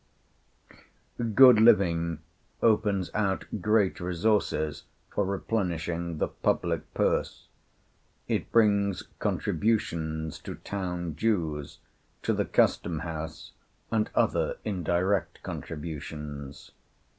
Good living opens out great resources for replenishing the public purse: it brings contributions to town dues, to the custom house, and other indirect contributions.